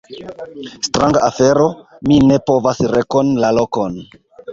Stranga afero, mi ne povas rekoni la lokon!